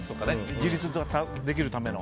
自立できるための。